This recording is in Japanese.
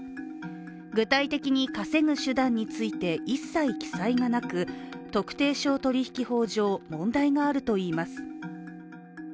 具体的に稼ぐ手段について一切記載がなく、特定商取引法上問題があるといいます。